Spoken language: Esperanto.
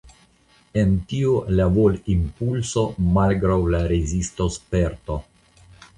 En tio la volimpulso malgraŭ la rezistosperto.